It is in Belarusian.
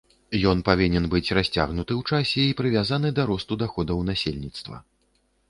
Ён павінен быць расцягнуты ў часе і прывязаны да росту даходаў насельніцтва.